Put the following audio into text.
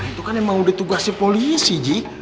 itu kan emang udah tugasnya polisi ji